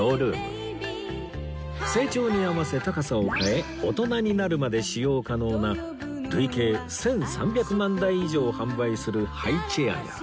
成長に合わせ高さを変え大人になるまで使用可能な累計１３００万台以上販売するハイチェアや